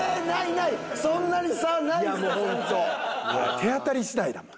手当たり次第だもの。